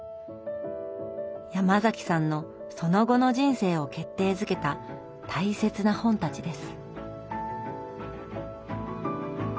ヤマザキさんのその後の人生を決定づけた大切な本たちです。